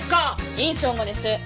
院長もです。